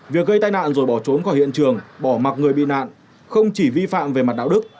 việc gây tai nạn rồi bỏ trốn khỏi hiện trường bỏ mặt người bị nạn không chỉ vi phạm về mặt đạo đức